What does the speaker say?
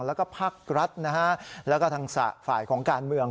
แล้วก็ภาครัฐแล้วก็ทางศาสตร์ฝ่ายของการเมือง